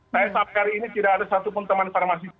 saya sampai hari ini tidak ada satu pun teman farmasi